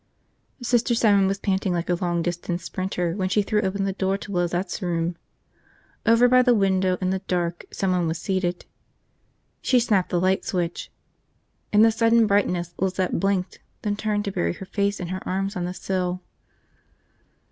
Sister Simon was panting like a long distance sprinter when she threw open the door to Lizette's room. Over by the window, in the dark, someone was seated. She snapped the light switch. In the sudden brightness Lizette blinked, then turned to bury her face in her arms on the sill.